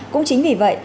cũng chính vì vậy